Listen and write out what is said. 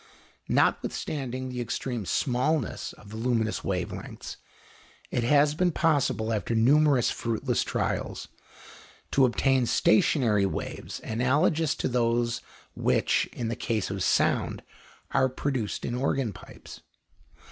Notwithstanding the extreme smallness of the luminous wave lengths, it has been possible, after numerous fruitless trials, to obtain stationary waves analogous to those which, in the case of sound, are produced in organ pipes.